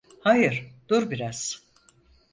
Hayır, dur biraz.